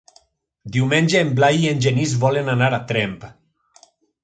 Diumenge en Blai i en Genís volen anar a Tremp.